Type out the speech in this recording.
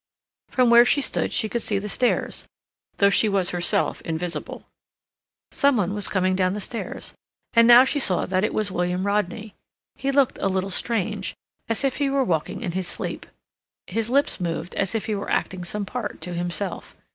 From where she stood she could see the stairs, though she was herself invisible. Some one was coming down the stairs, and now she saw that it was William Rodney. He looked a little strange, as if he were walking in his sleep; his lips moved as if he were acting some part to himself.